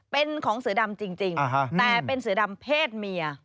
เป็นของเสือดำจริงแต่เป็นเสือดำเพศเมีย